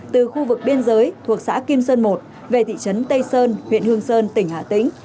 từ khu vực biên giới thuộc xã kim sơn một về thị trấn tây sơn huyện hương sơn tỉnh hà tĩnh